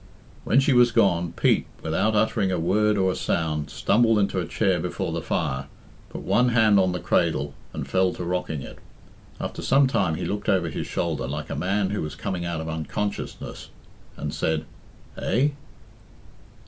When she was gone, Pete, without uttering a word or a sound, stumbled into a chair before the fire, put one hand on the cradle, and fell to rocking it. After some time he looked over his shoulder, like a man who was coming out of unconsciousness, and said, "Eh?"